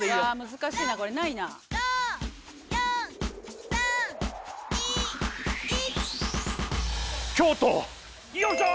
難しいなこれないなよっしゃ！